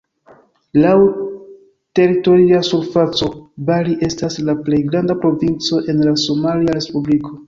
Laŭ teritoria surfaco, Bari estas la plej granda provinco en la somalia respubliko.